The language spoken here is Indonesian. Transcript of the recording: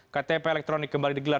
ktp elektronik kembali digelar